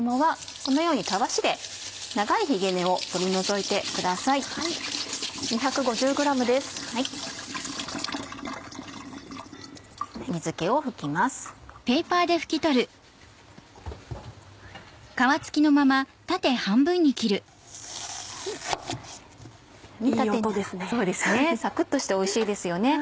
そうですねサクっとしておいしいですよね。